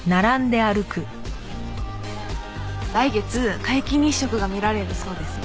来月皆既日食が見られるそうですよ。